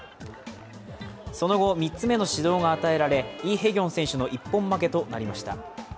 その後、３つ目の指導が与えられ、イ・ヘギョン選手の一本負けとなりました。